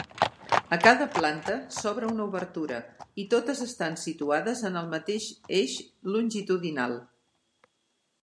A cada planta s'obre una obertura i totes estan situades en el mateix eix longitudinal.